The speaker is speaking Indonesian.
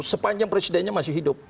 sepanjang presidennya masih hidup